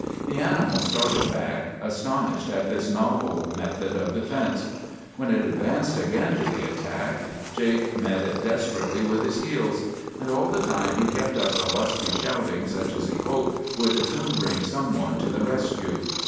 The animal started back, astonished at this novel method of defence. When it advanced again to the attack, Jake met it desperately with his heels; and all the time he kept up a lusty shouting such as he hoped would soon bring some one to the rescue.